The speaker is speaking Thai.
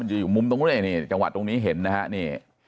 อยู่มุมตรงนี้ในจังหวัดตรงนี้เห็นนะฮะ